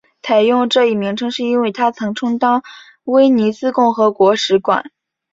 采用这一名称是因为它曾经充当威尼斯共和国使馆。